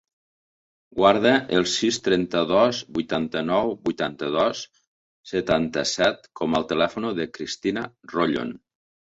Guarda el sis, trenta-dos, vuitanta-nou, vuitanta-dos, setanta-set com a telèfon del Christian Rollon.